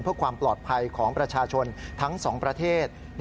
เพื่อความปลอดภัยของประชาชนทั้งสองประเทศ